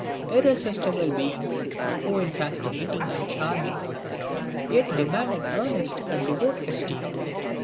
Irresistible beings, who in fascinating and charming, yet demand an earnest and devout esteem!